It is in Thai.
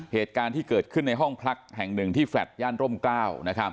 เหตุการณ์ที่เกิดขึ้นในห้องพักแห่งหนึ่งที่แฟลต์ย่านร่มกล้าว